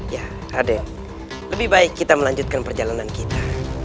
ya raden lebih baik kita melanjutkan perjalanan kita